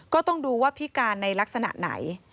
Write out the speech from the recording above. ก็ต้องดูว่าพิการในลักษณะไหน